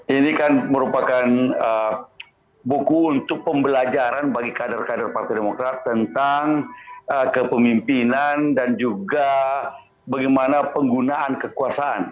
ini kan merupakan buku untuk pembelajaran bagi kader kader partai demokrat tentang kepemimpinan dan juga bagaimana penggunaan kekuasaan